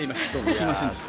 すいませんでした。